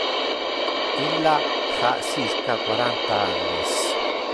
Illa ha circa quaranta annos.